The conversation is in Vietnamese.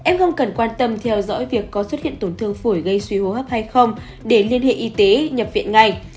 f cần quan tâm theo dõi việc có xuất hiện tổn thương phủi gây suy hô hấp hay không để liên hệ y tế nhập viện ngay